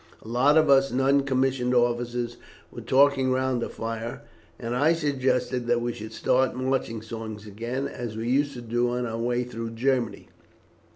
A lot of us non commissioned officers were talking round a fire, and I suggested that we should start marching songs again as we used to do on our way through Germany.